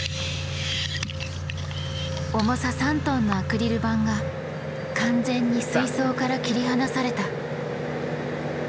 重さ３ｔのアクリル板が完全に水槽から切り離された。